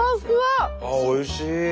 おいしい。